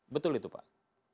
betul itu pak